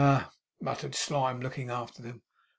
muttered Slyme, looking after them.